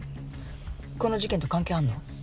この事件と関係あるの？